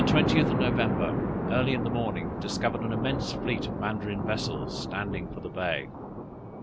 _] "On the 20th of November, early in the morning, discovered an immense fleet of Mandarin vessels standing for the bay.